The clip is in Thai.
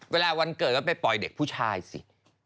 วันเกิดก็ไปปล่อยเด็กผู้ชายสิ